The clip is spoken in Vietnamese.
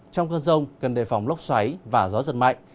trong cơn rông cần đề phòng lốc xoáy và gió giật mạnh